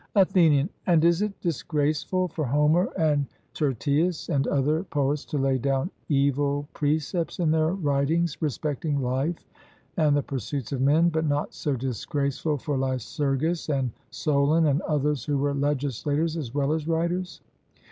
ATHENIAN: And is it disgraceful for Homer and Tyrtaeus and other poets to lay down evil precepts in their writings respecting life and the pursuits of men, but not so disgraceful for Lycurgus and Solon and others who were legislators as well as writers?